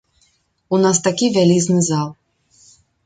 У нас такі вялізны зал.